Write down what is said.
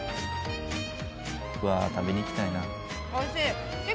わぁ食べにいきたいな。